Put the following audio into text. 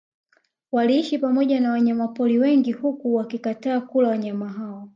Waliishi pamoja na wanyama pori wengi huku wakikataa kula wanyama hao